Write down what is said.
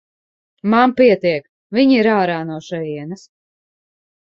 Man pietiek, viņa ir ārā no šejienes.